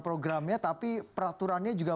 programnya tapi peraturannya juga